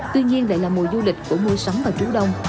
tuy nhiên lại là mùa du lịch của mùa sống và trú đông